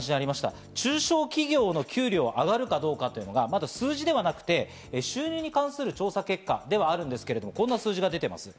お話にありました中小企業の給料が上がるかどうかというのは数字ではなくて、収入に関する調査結果ではあるんですけど、こんな数字が出ています。